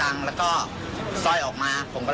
แล้วพี่ก็เอาสร้อยมาด้วย